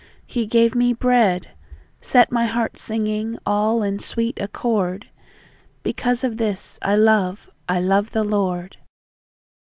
He gave me bread, Set my heart singing all in sweet accord; Because of this, I love I love the Lord!